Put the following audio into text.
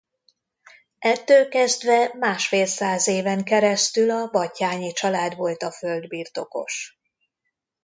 Ettől kezdve másfél száz éven keresztül a Batthyány család volt a földbirtokos.